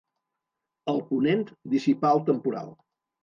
El ponent dissipà el temporal.